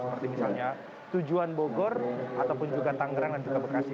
seperti misalnya tujuan bogor ataupun juga tanggerang dan juga bekasi